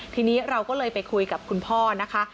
ทีนี้เราก็เลยไปคุยกับคุณพ่อนะคะ